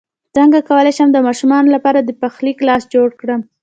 څنګه کولی شم د ماشومانو لپاره د پخلی کلاس جوړ کړم